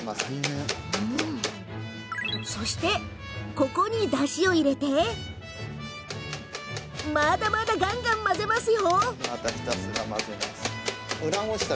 ここに、だしを入れてまだまだ、がんがん混ぜますよ。